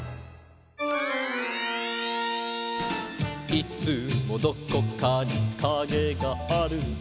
「いつもどこかにカゲがある」